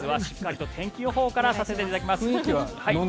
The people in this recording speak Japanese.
まずはしっかりと天気予報からさせていただきます。